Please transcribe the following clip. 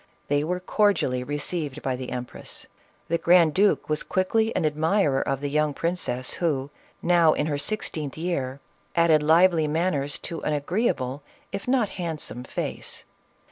They were cordially received by the empress ; the grand duke was quickly an admirer of the young princess, who, now in her sixteenth year, added lively manners to an agreeable, if not handsome face.